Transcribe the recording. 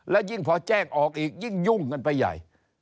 แล้วยิ่งพอแจ้งออกอีกยิ่งยุ่งกันไปใหญ่